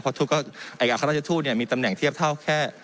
เพราะทูตก็เอ่อค่าราชการทูตเนี่ยมีตำแหน่งเทียบเท่าแค่